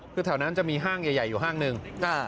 คือแถวนั้นจะมีห้างใหญ่อยู่ห้างหนึ่ง